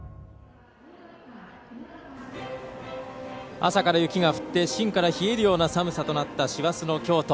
朝から雪が降って芯から冷えるような寒さとなった師走の京都。